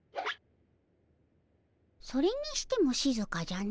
それにしてもしずかじゃの。